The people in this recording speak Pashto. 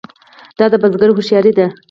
دا د بزګر هوښیاري ده.